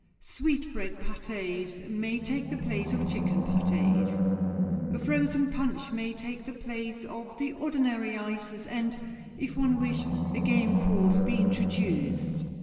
Sweetbread pâtés may take the place of chicken pâtés. A frozen punch may take the place of the ordinary ices, and, if one wish, a game course be introduced.